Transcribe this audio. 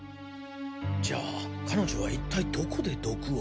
じゃあ彼女はいったいどこで毒を。